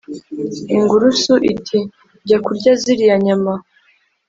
ingurusu iti «jya kurya ziriya nyama.»